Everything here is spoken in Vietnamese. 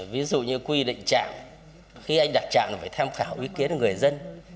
ví dụ như quy định chạm khi anh đặt chạm thì phải tham khảo ý kiến của người dân